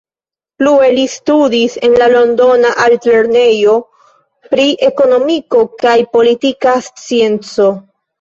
Plue li studis en la Londona Altlernejo pri Ekonomiko kaj Politika Scienco.